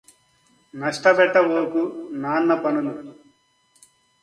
నష్టపెట్టబోకు నాన్నపనులు